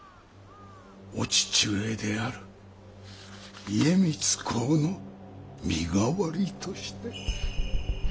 お父上である家光公の身代わりとして。